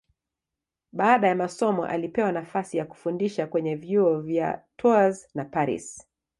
Baada ya masomo alipewa nafasi ya kufundisha kwenye vyuo vya Tours na Paris.